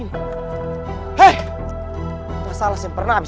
ini masalah negara lagi